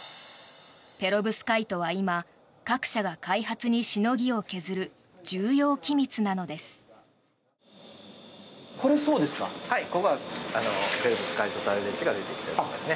ペロブスカイトは今各社が開発にしのぎを削る重要機密なのです。